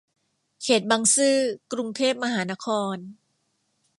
เขตบางซื่อ กรุงเทพมหานคร